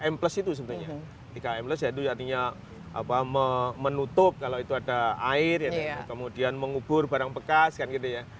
tiga m less ya itu artinya menutup kalau itu ada air kemudian mengubur barang bekas kan gitu ya